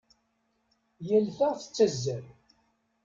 Yal ta tettazzal.